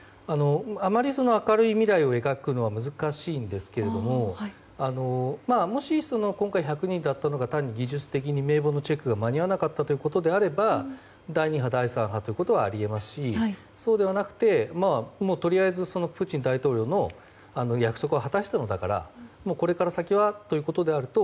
あまり明るい未来を描くのは難しいんですけどももし今回１００人だったのが単に技術的に名簿のチェックが間に合わなかったということであれば第２波、第３波ということはあり得ますし、そうではなくてもうとりあえずプーチン大統領の約束を果たしたのだからこれから先はということであると